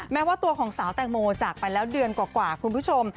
แม้ว่าตัวของสาวแตงโมจากไปแล้วเดือนกว่าคุณผู้ชม